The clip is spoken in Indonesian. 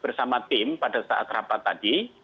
bersama tim pada saat rapat tadi